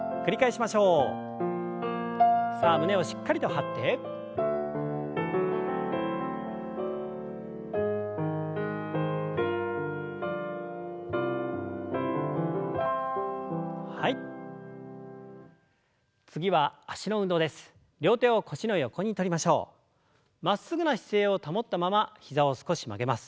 まっすぐな姿勢を保ったまま膝を少し曲げます。